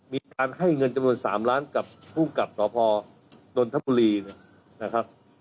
มีการให้เงินจำนวนสามล้านกับผู้กลับต่อพอนทบุรีนะครับ